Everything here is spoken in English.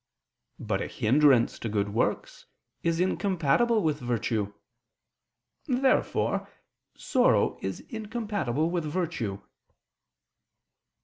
But a hindrance to good works is incompatible with virtue. Therefore sorrow is incompatible with virtue.